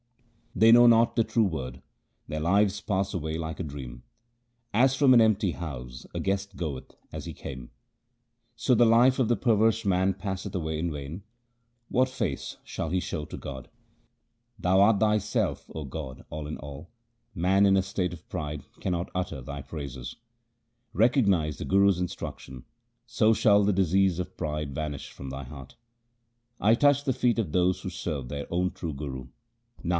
1 They know not the true Word; their lives pass away like a dream. As from an empty house a guest goeth as he came, 1 Literally — are robbed. HYMNS OF GURU AMAR DAS 157 So the life of the perverse man passeth away in vain ; what face shall he show to God ? Thou art Thyself, O God, all in all ; man in a state of pride cannot utter Thy praises. Recognize the Guru's instruction, so shall the disease of pride vanish from thy heart. I touch the feet of those who serve their own true Guru.